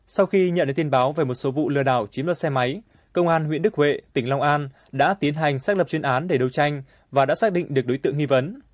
sau khi nhận được tin báo về một số vụ lừa đảo chiếm đoạt xe máy công an huyện đức huệ tỉnh long an đã tiến hành xác lập chuyên án để đấu tranh và đã xác định được đối tượng nghi vấn